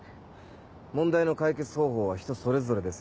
問題の解決方法は人それぞれです